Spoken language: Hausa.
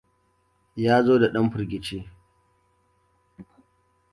Ya zo da dan firgici.